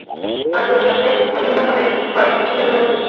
কাজগুলো যাতে যথাযথভাবে হয়, সেজন্য সংশ্লিষ্ট সবাইকে কঠোর পরিশ্রম করতে হয়েছে।